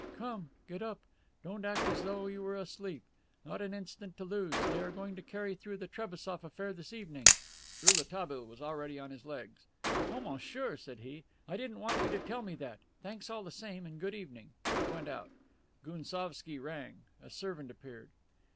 "Come, get up. Don't act as though you were asleep. Not an instant to lose. They are going to carry through the Trebassof affair this evening." Rouletabille was already on his legs. "Oh, monsieur," said he, "I didn't want you to tell me that. Thanks all the same, and good evening." He went out. Gounsovski rang. A servant appeared.